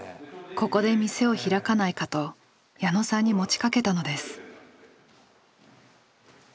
ここで店を開かないかと矢野さんに持ちかけたのです。